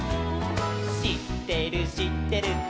「しってるしってる」